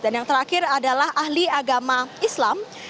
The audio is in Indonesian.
dan yang terakhir adalah ahli agama islam